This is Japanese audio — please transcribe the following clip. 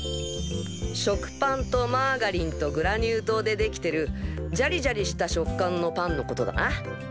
食パンとマーガリンとグラニュー糖で出来てるジャリジャリした食感のパンのことだな。